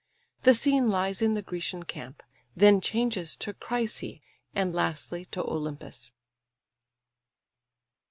The scene lies in the Grecian camp, then changes to Chrysa, and lastly to Olympus.